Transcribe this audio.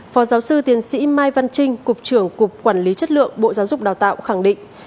phó giáo sư tiến sĩ mai văn trinh cục trưởng cục quản lý chất lượng bộ giáo dục đào tạo khẳng định